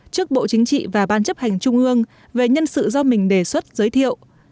trước bộ chính trị và ban chấp hành trung ương về nhân sự do mình đề xuất giới thiệu